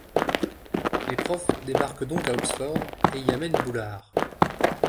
Les profs débarquent donc à Oxford et y amènent Boulard.